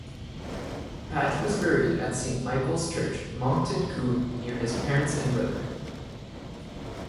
Patch was buried at Saint Michael's Church, Monkton Combe, near his parents and brother.